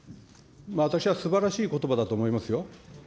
私は素晴らしいことばだと思いますよ。